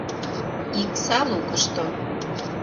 Икса лукышто!..